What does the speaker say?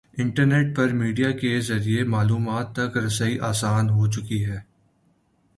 Internet پر media کے ذریعے معلومات تک رسائی آسان ہو چکی ہے۔